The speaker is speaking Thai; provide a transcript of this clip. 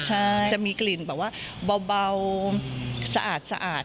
ใช่จะมีกลิ่นแบบว่าเบาสะอาดสะอาด